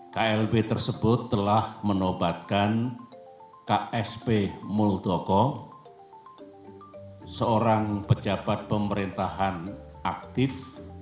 klb tersebut telah menobatkan ksp muldoko seorang pejabat pemerintahan aktif